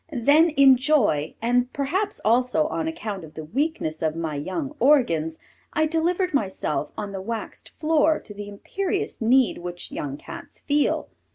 Then in joy, and perhaps also on account of the weakness of my young organs, I delivered myself on the waxed floor to the imperious need which young Cats feel.